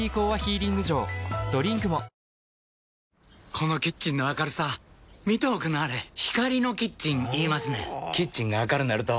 このキッチンの明るさ見ておくんなはれ光のキッチン言いますねんほぉキッチンが明るなると・・・